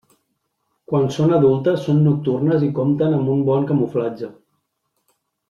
Quan són adultes són nocturnes i compten amb un bon camuflatge.